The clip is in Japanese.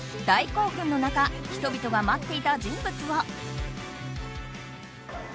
大興奮の中人々が待っていた人物は。